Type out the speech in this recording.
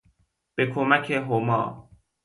به کمک هما